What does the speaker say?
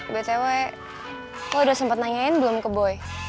btw lo udah sempet nanyain belum ke boy